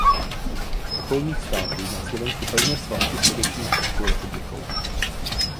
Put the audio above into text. Z okolních států má Slovensko pevné svazky především s Českou republikou.